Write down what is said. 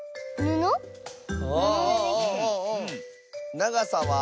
ながさは？